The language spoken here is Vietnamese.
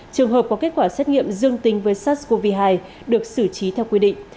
trường hợp có kết quả xét nghiệm dương tính với sars cov hai được xử trí theo quy định